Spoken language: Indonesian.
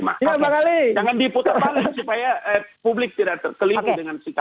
makanya jangan diputar balik supaya publik tidak terkeliru dengan sikap